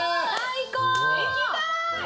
行きたい！